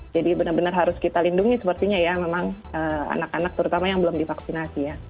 benar benar harus kita lindungi sepertinya ya memang anak anak terutama yang belum divaksinasi ya